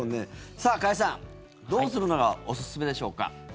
さあ加谷さん、どうするのがおすすめでしょうか。